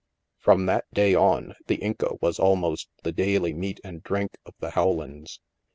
" From that day on, " The Inca " was almost the daily meat and drink of the Rowlands.